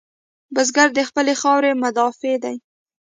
بزګر د خپلې خاورې مدافع دی